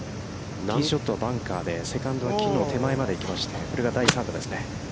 ティーショットはバンカーで、セカンドに木の手前まできまして、これが第３打ですね。